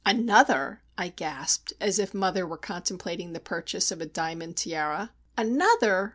"Another!" I gasped, as if mother were contemplating the purchase of a diamond tiara. "_Another!